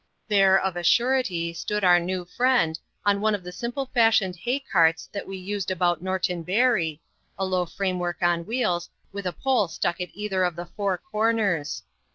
There, of a surety, stood our new friend, on one of the simple fashioned hay carts that we used about Norton Bury, a low framework on wheels, with a pole stuck at either of the four corners.